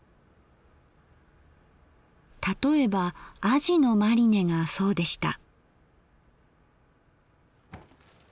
例えばあじのマリネがそうでした。